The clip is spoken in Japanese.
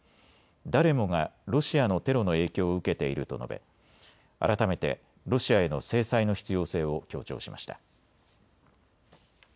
誰もがロシアのテロの影響を受けていると述べ、改めてロシアへの制裁の必要性を強調しました。